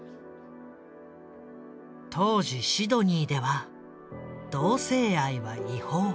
当時シドニーでは同性愛は違法。